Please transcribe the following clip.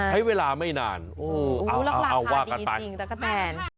ให้เวลาไม่นานโอ้โหเอาว่ากันไปราคาดีจริงตะกะแตน